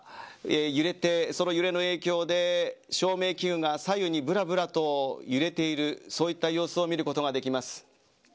揺れて、その揺れの影響で照明器具が左右にぶらぶらと揺れているそういった様子を見ることができます。